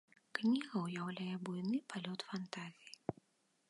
Кніга ўяўляе буйны палёт фантазіі.